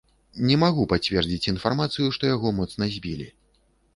Не магу пацвердзіць інфармацыю, што яго моцна збілі.